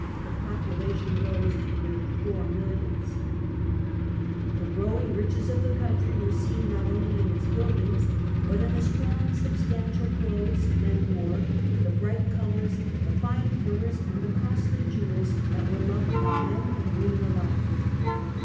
The population rose to nearly four millions. The growing 112 NATIONAL FEELING. riches of the country were seen not only in its buildings but in the strong, substantial clothes men wore, the bright colours, the fine furs, and the costly jewels that were loved The national by men and women alike.